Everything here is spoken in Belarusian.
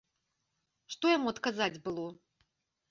Што яму адказаць было?